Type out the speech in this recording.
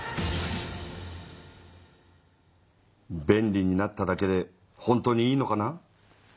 便利になっただけで本当にいいのかな？